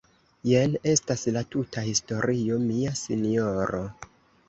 Jen estas la tuta historio, mia sinjoro.